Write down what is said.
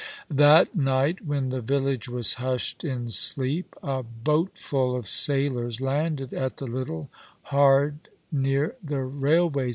That night, when the village was hushed in sleep, a boatful of sailors landed at the little hard near the railway " Under the Pine ivood!